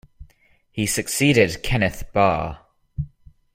He succeeded Kenneth Barr.